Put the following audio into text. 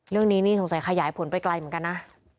เรื่องนี้นี่สงสัยขยายผลไปไกลเหมือนกันนะ